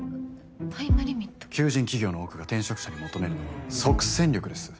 求人企業の多くが転職者に求めるのは即戦力です。